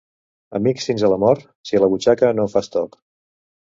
Amics fins a la mort, si a la butxaca no em fas toc.